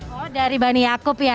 oh dari bani yaakob ya